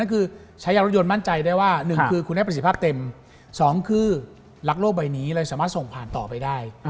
ก็คือใช้ยารถยนต์มั่นใจได้ว่า๑คือคุณได้ประสิทธิภาพเต็ม๒คือรักโลกใบนี้เลยสามารถส่งผ่านต่อไปได้